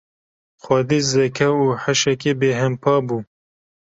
Xwedî zeka û hişekî bêhempa bû.